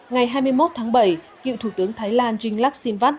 ngày hai mươi một tháng bảy cựu thủ tướng thái lan jinglak sinvat